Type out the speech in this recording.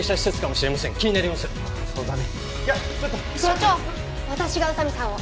所長私が宇佐見さんを。